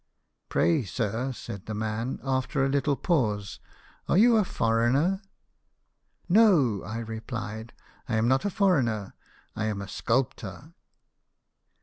' Pray, sir,' said the man, after a little pause, ' are you a foreigner ?' 'No,' I replied, ' I am not a foreigner ; I'm a sculptor."